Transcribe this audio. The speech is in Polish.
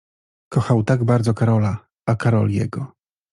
Kochał tak bardzo Karola, a Karol jego.